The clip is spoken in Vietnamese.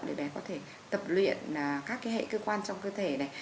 để bé có thể tập luyện các hệ cơ quan trong cơ thể này